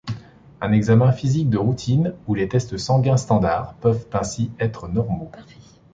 Un examen physique de routine ou les tests sanguins standards peuvent ainsi être normaux.